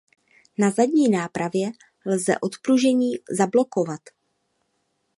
Na zadní nápravě lze odpružení zablokovat.